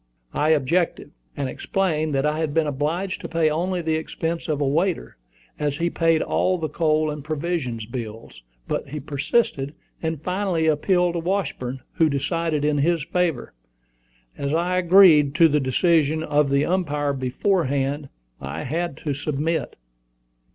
I objected, and explained that I had been obliged to pay only the expense of a waiter, as he paid all the coal and provision bills, but he persisted, and finally appealed to Washburn, who decided in his favor. As I agreed to the decision of the umpire beforehand, I had to submit.